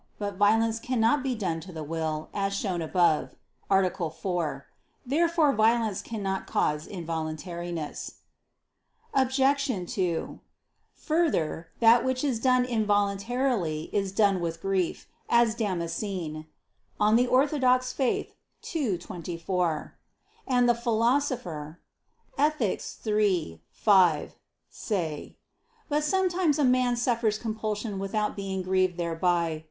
But violence cannot be done to the will, as shown above (A. 4). Therefore violence cannot cause involuntariness. Obj. 2: Further, that which is done involuntarily is done with grief, as Damascene (De Fide Orth. ii, 24) and the Philosopher (Ethic. iii, 5) say. But sometimes a man suffers compulsion without being grieved thereby.